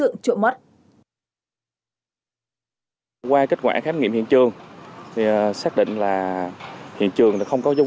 hai trăm một mươi tám người bảo vệ ngủ